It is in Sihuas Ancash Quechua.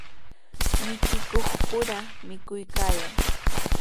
Michikuqpura mikuykaayan.